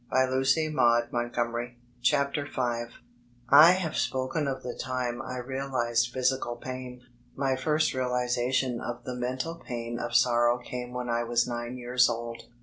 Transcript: l44l Digilized by Google FIVE I have spoken of the time I realized physical pain. My first realization of the mental pain of sorrow came when I was nine years old.